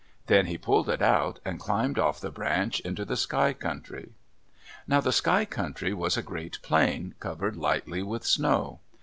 Then he pulled it out, and climbed off the branch into the Sky Country. Now the Sky Country was a great plain, covered lightly with snow.